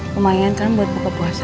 lumayan kan buat buka puasa